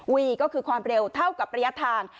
วีก็คือความเร็วเท่ากับระยะทาง